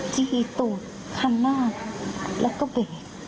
ทีวีตูดคันหน้าแล้วก็เบรก